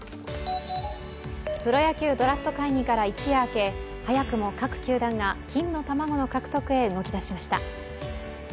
プロ野球ドラフト会議から一夜明け、早くも各球団が金の卵の獲得へ動きだしました。